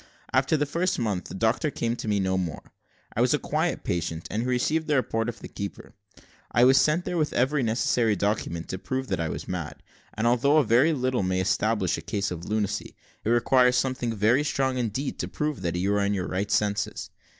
After the first month, the doctor came to me no more: I was a quiet patient, and he received the report of the keeper. I was sent there with every necessary document to prove that I was mad; and, although a very little may establish a case of lunacy, it requires something very strong indeed, to prove that you are in your right senses.